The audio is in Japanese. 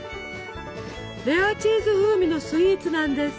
レアチーズ風味のスイーツなんです。